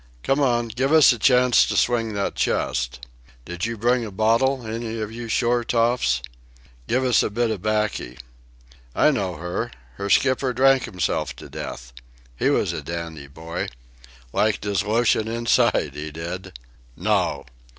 Come on; give us a chance to swing that chest!... Did you bring a bottle, any of you shore toffs?... Give us a bit of 'baccy.... I know her; her skipper drank himself to death.... He was a dandy boy!... Liked his lotion inside, he did!... No!...